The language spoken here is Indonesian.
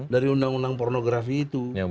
dari undang undang pornografi itu